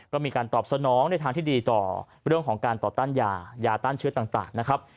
ก็มีการตอบสนองในทางที่ดีต่อเรื่องของการต่อต้านยายาต้านเชื้อต่างนะครับ